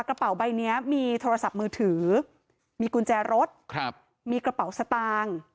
กระเป๋าใบเนี้ยมีโทรศัพท์มือถือมีกุญแจรถมีกระเป๋าสตางค์